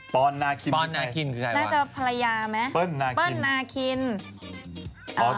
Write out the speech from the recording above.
ปอนนาเคิลเปิ้ลนาคอน